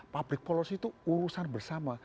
public policy itu urusan bersama